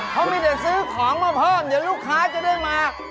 เขามีเดี๋ยวซื้อของมาเพิ่มเดี๋ยวลูกค้าจะเลื่อนมา